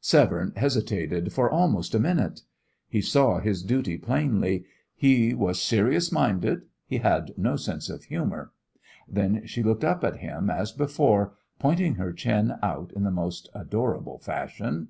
Severne hesitated for almost a minute. He saw his duty plainly; he was serious minded; he had no sense of humour. Then she looked up at him as before, pointing her chin out in the most adorable fashion.